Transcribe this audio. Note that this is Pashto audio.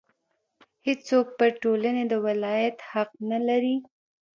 هېڅوک پر ټولنې د ولایت حق نه لري.